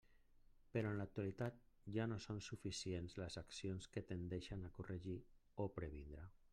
Però en l'actualitat ja no són suficients les accions que tendeixen a corregir o previndre.